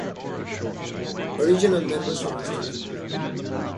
Original members are listed in bold.